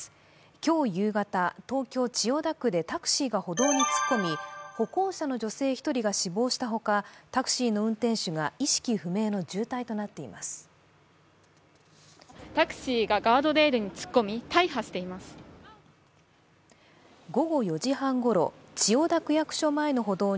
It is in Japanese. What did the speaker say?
今日夕方、東京・千代田区でタクシーが歩道に突っ込み、歩行者の女性１人が死亡した他タクシーの運転手が意識不明の重体となっています。